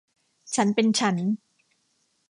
ฉันเป็นฉัน